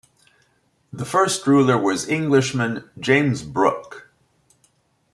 The first ruler was Englishman James Brooke.